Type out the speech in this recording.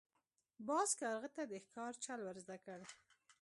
باز کارغه ته د ښکار چل ور زده کړ.